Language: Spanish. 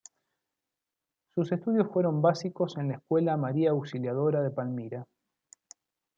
Sus estudios fueron básicos en la escuela María Auxiliadora de Palmira.